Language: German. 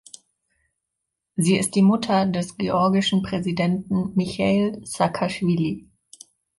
Sie ist die Mutter des georgischen Präsidenten Micheil Saakaschwili.